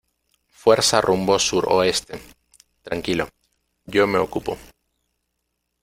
fuerza rumbo suroeste. tranquilo, yo me ocupo ,